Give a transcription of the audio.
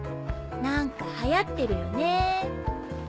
何か流行ってるよね。